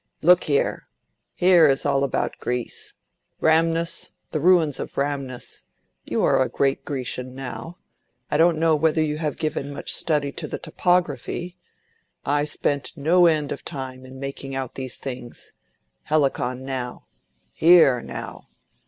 "Look here—here is all about Greece. Rhamnus, the ruins of Rhamnus—you are a great Grecian, now. I don't know whether you have given much study to the topography. I spent no end of time in making out these things—Helicon, now. Here, now!